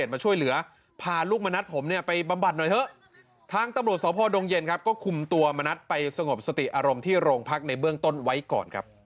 คือไปข้ามหมามาทำโย